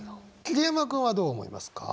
桐山君はどう思いますか？